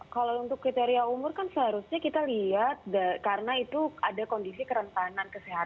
kalau untuk kriteria umur kan seharusnya kita lihat karena itu ada kondisi kerentanan kesehatan